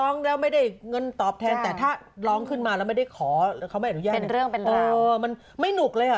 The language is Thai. ในแง่ของการร้องเพลงบางทีเราไม่ได้ร้องแล้วได้เงินเปล่าวะ